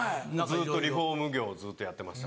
ずっとリフォーム業ずっとやってました。